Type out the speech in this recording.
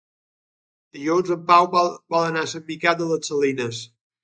Dilluns en Pau vol anar a Sant Miquel de les Salines.